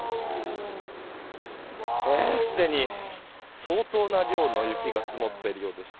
既に相当な量の雪が積もっているようでして